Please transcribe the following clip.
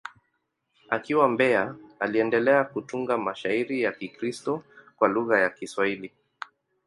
Akiwa Mbeya, aliendelea kutunga mashairi ya Kikristo kwa lugha ya Kiswahili.